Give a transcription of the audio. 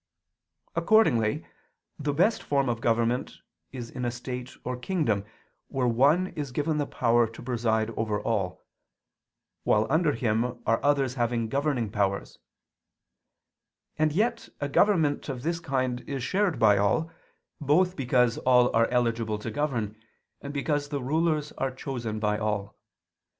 Accordingly, the best form of government is in a state or kingdom, where one is given the power to preside over all; while under him are others having governing powers: and yet a government of this kind is shared by all, both because all are eligible to govern, and because the rules are chosen by all.